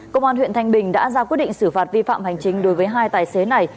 công an huyện thanh bình đã ra quyết định xử phạt vi phạm hành chính đối với hai tài xế này